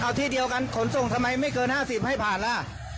เอาที่เดียวกันขนส่งทำไมไม่เกิน๕๐ให้ผ่านล่ะ